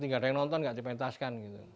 tidak ada yang nonton tidak dipentaskan